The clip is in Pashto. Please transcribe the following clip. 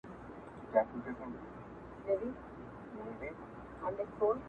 • و خاوند لره پیدا یې ورک غمی سو,